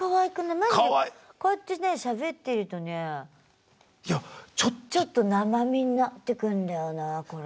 マジでこうやってねしゃべってるとねちょっと生身になってくんだよなこれ。